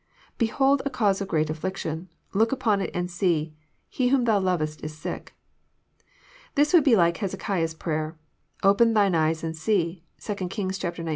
Behold a case of great affliction : look upon it and see : he whom Thou lovest is sick." This would be like Hezekiah's prayer: "Open Thine eyes and see.*' (2 Kings xix.